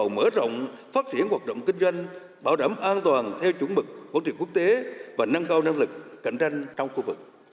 thủ tướng yêu cầu mở rộng phát triển hoạt động kinh doanh bảo đảm an toàn theo chủng mực quốc tế và năng cao năng lực cạnh tranh trong khu vực